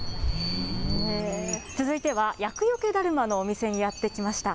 続いては厄よけダルマのお店にやって来ました。